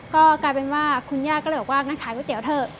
ก็กลายเป็นว่าคุณย่าก็เลยบอกว่างั้นขายก๋วยเตี๋ยวเถอะ